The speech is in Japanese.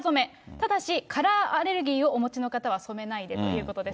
ただしカラーアレルギーをお持ちの方は染めないでということです。